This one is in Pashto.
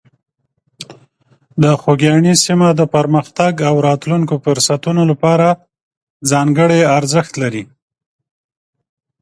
د خوږیاڼي سیمه د پرمختګ او د راتلونکو فرصتونو لپاره ځانګړې ارزښت لري.